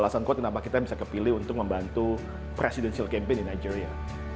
itu alasan kuat kenapa kita bisa kepilih untuk membantu presidensial campaign di nigeria